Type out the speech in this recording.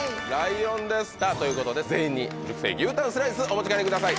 さぁということで全員に熟成牛タンスライスお持ち帰りください。